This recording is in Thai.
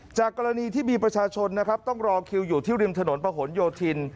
กรณีที่มีประชาชนนะครับต้องรอคิวอยู่ที่ริมถนนประหลโยธิน